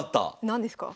何ですか？